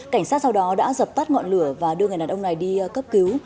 cảnh sát sau đó đã dập tắt ngọn lửa và đưa người đàn ông này đi cấp cứu